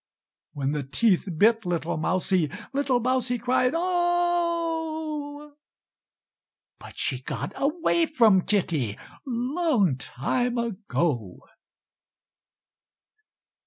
When the teeth bit little mousie, Little mouse cried "Oh!" But she got away from kitty, Long time ago.